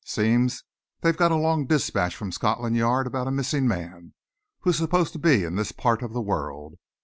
Seems they've got a long dispatch from Scotland Yard about a missing man who is supposed to be in this part of the world.